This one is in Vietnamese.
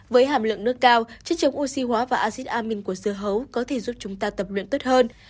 với hàm lượng nước cao chất chống oxy hóa và acid amin của dưa hấu có thể giúp chúng ta tập luyện tốt hơn